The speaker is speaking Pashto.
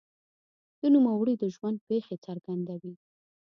د نوموړي د ژوند پېښې څرګندوي.